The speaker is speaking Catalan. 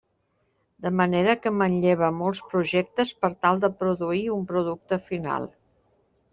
De manera que manlleva molts projectes per tal de produir un producte final.